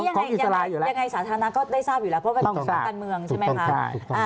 คืออันนี้ยังไงสาธารณะก็ได้ทราบอยู่แล้วเพราะว่าเป็นประกันเมืองใช่ไหมครับ